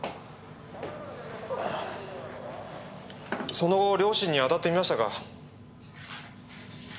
その後両親に当たってみましたか？